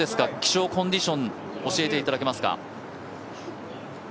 気象コンディション教えていただけますか。